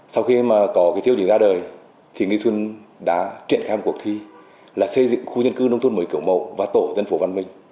sau khi mà có cái tiêu chí ra đời thì nghi xuân đã triển khai một cuộc thi là xây dựng khu dân cư nông thôn mới kiểu mẫu và tổ dân phố văn minh